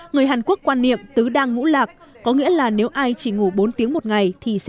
người hàn quốc quan niệm tứ đang ngủ lạc có nghĩa là nếu ai chỉ ngủ bốn tiếng một ngày thì sẽ